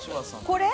これ？